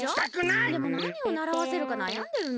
でもなにをならわせるかなやんでるの。